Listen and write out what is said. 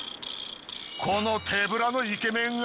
この手ぶらのイケメンが？